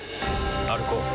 歩こう。